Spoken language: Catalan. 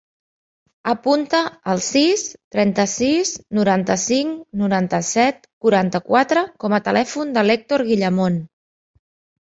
Apunta el sis, trenta-sis, noranta-cinc, noranta-set, quaranta-quatre com a telèfon de l'Hèctor Guillamon.